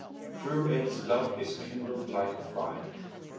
Through it love is kindled like a fire.